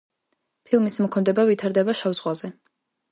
ფილმის მოქმედება ვითარდება შავ ზღვაზე.